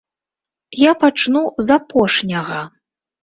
Я пачну з апошняга.